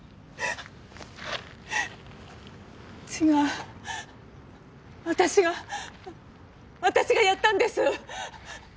違う私が私がやったんです。